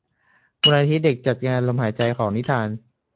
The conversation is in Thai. มูลนิธิเด็กจัดงานลมหายใจของนิทาน